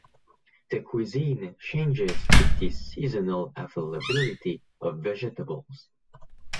The cuisine changes with the seasonal availability of vegetables.